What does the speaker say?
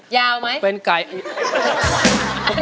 ยาวไหม